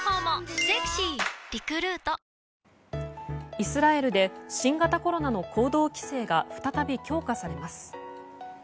イスラエルで新型コロナの行動規制が再び強化されます。